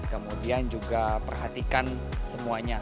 kemudian juga perhatikan semuanya